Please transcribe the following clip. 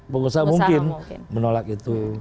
pengusaha mungkin menolak itu